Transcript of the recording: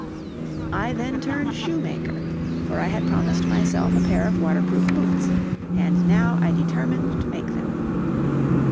I then turned shoemaker, for I had promised myself a pair of waterproof boots, and now I determined to make them.